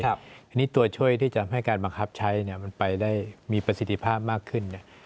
อันนี้ตัวช่วยที่จะให้การบังคับใช้มันไปได้มีประสิทธิภาพมากขึ้น